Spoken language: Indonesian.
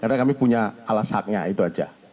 karena kami punya alas haknya itu aja